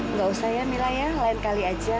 nggak usah ya mila ya lain kali aja